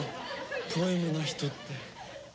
ポエムな人って。